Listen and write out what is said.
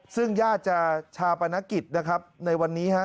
ซึ่งญาติจะชาปนกิจนะครับในวันนี้ฮะ